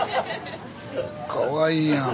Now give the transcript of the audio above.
かわいいやん。